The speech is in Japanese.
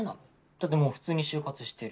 だってもう普通に就活してる。